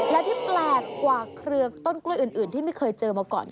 และที่แปลกกว่าเครือต้นกล้วยอื่นที่ไม่เคยเจอมาก่อน